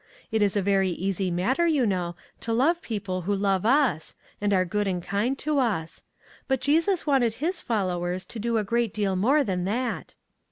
It is a very easy matter, you know, to love people who love us, and are good and kind to us; but Jesus wanted his followers to do a great deal more than that."